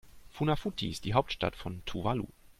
Funafuti ist die Hauptstadt von Tuvalu.